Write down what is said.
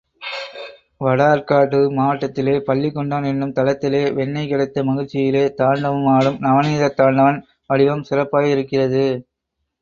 வடஆர்க்காடு மாவட்டத்திலே பள்ளிகொண்டான் என்னும் தலத்திலே வெண்ணெய் கிடைத்த மகிழ்ச்சியிலே தாண்டவம் ஆடும் நவநீத தாண்டவன் வடிவம் சிறப்பாயிருக்கிறது.